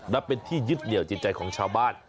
นับเป็นที่ยึดเหนียวจิตใจของชาวบ้าน